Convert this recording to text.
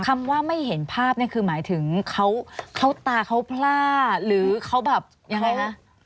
คำว่าไม่เห็นภาพคือหมายถึงเค้าตาเค้าพล่าหรือเค้าแบบอย่างไรคะ